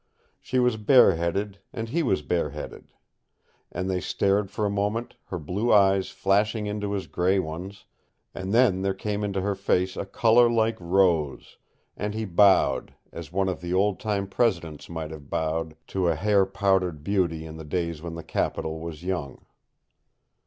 She was bareheaded, and he was bareheaded, and they stared for a moment, her blue eyes flashing into his gray ones; and then there came into her face a color like rose, and he bowed, as one of the old time Presidents might have bowed to a hair powdered beauty in the days when the Capitol was young.